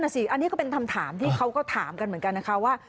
สิอันนี้ก็เป็นคำถามที่เขาก็ถามกันเหมือนกันนะคะว่า